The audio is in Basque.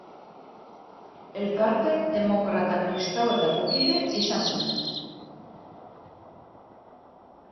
Elkarte demokrata-kristauetako kide izan zen.